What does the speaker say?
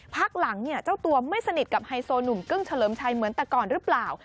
พักหลังเนี่ยเจ้าตัวไม่สนิทกับไฮโซหนุ่มกึ้งเฉลิมชัยเหมือนแต่ก่อนหรือเปล่า